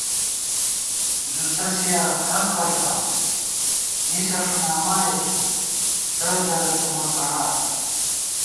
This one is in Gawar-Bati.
زُو سَسِیَنہ حقہ ݪہ مِسہ ݭُنامائے تُو دردرہ تُو مہ کڑاس